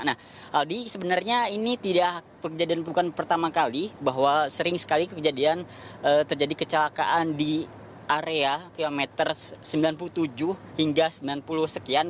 nah aldi sebenarnya ini tidak kejadian bukan pertama kali bahwa sering sekali terjadi kecelakaan di area kilometer sembilan puluh tujuh hingga sembilan puluh sekian